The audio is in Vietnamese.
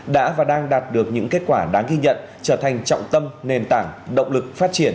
đã và đang đạt được những kết quả đáng ghi nhận trở thành trọng tâm nền tảng động lực phát triển